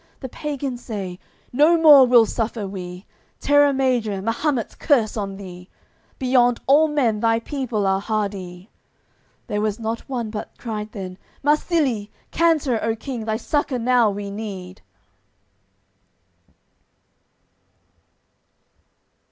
The pagans say: "No more we'll suffer, we. Terra Major, Mahummet's curse on thee! Beyond all men thy people are hardy!" There was not one but cried then: "Marsilie, Canter, O king, thy succour now we need!"